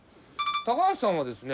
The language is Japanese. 高橋さんはですね